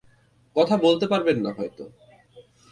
কথা বলতে পারবেন না হয়ত!